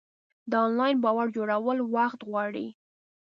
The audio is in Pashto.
د انلاین باور جوړول وخت غواړي.